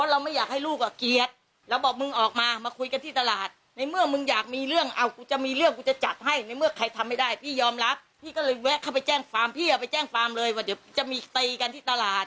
เราไม่อยากให้ลูกอ่ะเกลียดเราบอกมึงออกมามาคุยกันที่ตลาดในเมื่อมึงอยากมีเรื่องเอากูจะมีเรื่องกูจะจับให้ในเมื่อใครทำไม่ได้พี่ยอมรับพี่ก็เลยแวะเข้าไปแจ้งฟาร์มพี่อย่าไปแจ้งฟาร์มเลยว่าเดี๋ยวจะมีตีกันที่ตลาด